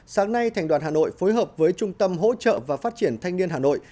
sáng nay thành đoàn hà nội phối hợp với trung tâm hỗ trợ và phát triển thanh niên hà nội